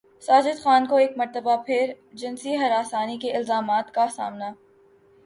ساجد خان کو ایک مرتبہ پھر جنسی ہراسانی کے الزامات کا سامنا